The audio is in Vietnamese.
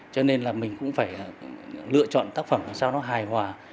cho nên là mình cũng phải lựa chọn tác phẩm làm sao nó hài hòa